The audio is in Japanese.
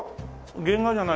原画じゃないよね？